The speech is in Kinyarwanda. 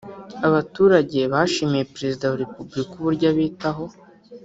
Abaturage bashimiye Perezida wa Repubulika uburyo abitaho